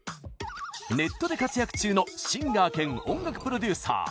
ネットで活躍中のシンガー兼音楽プロデューサー。